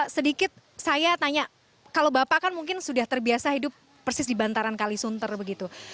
sedikit saya tanya kalau bapak kan mungkin sudah terbiasa hidup persis di bantaran kalisunter begitu